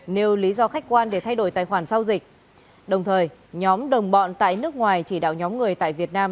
nếu lý do khách quan để thay đổi tài khoản giao dịch đồng thời nhóm đồng bọn tại nước ngoài chỉ đạo nhóm người tại việt nam